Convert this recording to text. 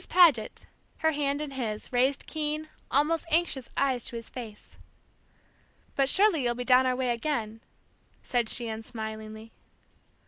Paget, her hand in his, raised keen, almost anxious eyes to his face. "But surely you'll be down our way again?" said she, unsmilingly.